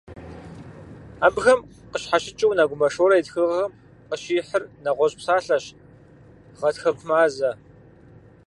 Абыхэм къыщхьэщыкӀыу, Нэгумэ Шорэ и тхыгъэхэм къыщихьыр нэгъуэщӀ псалъэщ - гъатхэкумазэ.